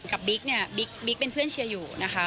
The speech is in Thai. บิ๊กเนี่ยบิ๊กเป็นเพื่อนเชียร์อยู่นะคะ